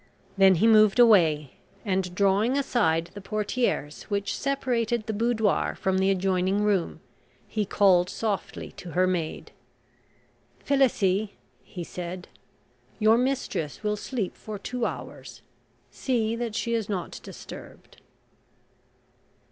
Then he moved away, and, drawing aside the portieres which separated the boudoir from the adjoining room, he called softly to her maid. "Felicie," he said, "your mistress will sleep for two hours; see that she is not disturbed."